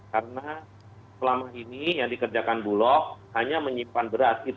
karena selama ini yang dikerjakan bulog hanya menyimpan beras